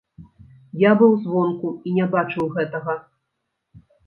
Я быў звонку, і не бачыў гэтага.